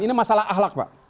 ini masalah ahlak pak